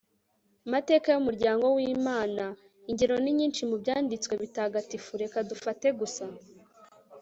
mateka y'umuryango w'imana. ingero ni nyinshi mu byanditswe bitagatifu, reka dufate gusa